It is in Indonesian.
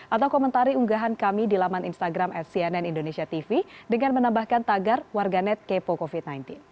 atau komentari unggahan kami di laman instagram atcnnindonesiatv dengan menambahkan tagar warganet kepo covid sembilan belas